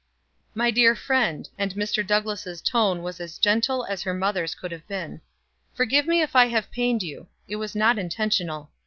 "My dear friend," and Dr. Douglass' tone was as gentle as her mother's could have been, "forgive me if I have pained you; it was not intentional.